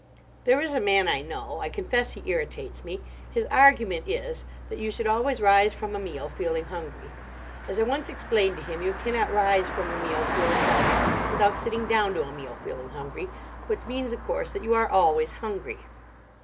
There is a man I know. I confess he irritates me. His argument is that you should always rise from a meal feeling hungry. As I once explained to him, you cannot rise from a meal feeling hungry without sitting down to a meal feeling hungry; which means, of course, that you are always hungry.